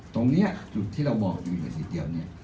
ตรงเนี้ยจุดที่เราบอกว่าอยู่เนื้อสิทธิเดียวเนี้ย